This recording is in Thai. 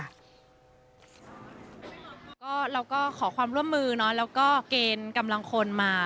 เราก็ขอความร่วมมือเนอะแล้วก็เกณฑ์กำลังคนมา